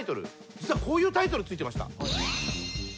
実はこういうタイトル付いてました。